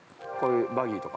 ◆バギーとか。